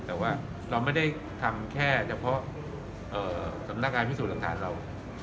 แต่ว่าเราไม่ได้ทำแค่เฉพาะสำนักงานพิสูจน์หลักฐานเรา